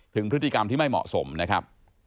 ถึงพฤติกรรมที่ไม่เหมาะสมนะครับ